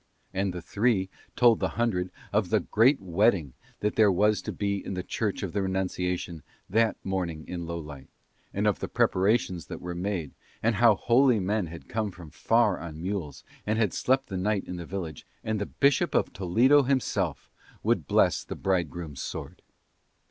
And the three told the hundred of the great wedding that there was to be in the Church of the Renunciation that morning in Lowlight: and of the preparations that were made, and how holy men had come from far on mules, and had slept the night in the village, and the Bishop of Toledo himself would bless the bridegroom's sword.